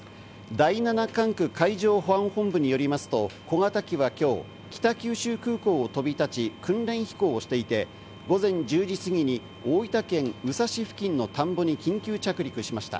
第七管区海上保安本部によりますと、小型機は今日、北九州空港を飛び立ち、訓練飛行をしていて、午前１０時過ぎに大分県宇佐市付近の田んぼに緊急着陸しました。